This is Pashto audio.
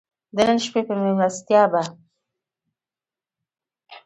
د نن شپې په مېلمستیا به.